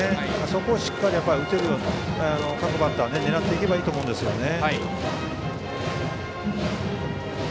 そこをしっかり打てるように各バッターは狙っていけばいいと思うんですね。